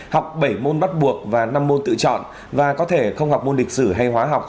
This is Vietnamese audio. học bảy môn bắt buộc và năm môn tự chọn và có thể không học môn lịch sử hay hóa học